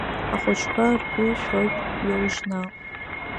Ахәыҷқәа ргәы шәоит, иоужь наҟ!